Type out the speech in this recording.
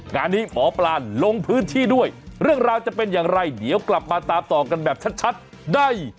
งานนี้หมอปลานลงพื้นที่ด้วยเรื่องราวจะเป็นอย่างไรเดี๋ยวกลับมาตามต่อกันแบบชัดได้